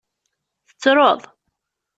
Tettruḍ?